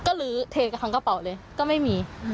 ก็หลือเทกการ์ทกระเป๋าเลยก็ไม่มี